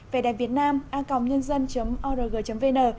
về đèn việtnam acongnhanzan org vn